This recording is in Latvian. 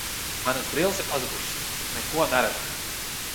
Manas brilles ir pazudušas, neko neredzu.